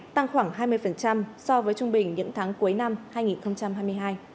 tăng khoảng hai mươi so với trung bình những tháng cuối năm hai nghìn hai mươi hai